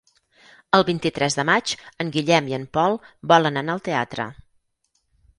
El vint-i-tres de maig en Guillem i en Pol volen anar al teatre.